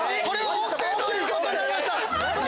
ＯＫということになりました。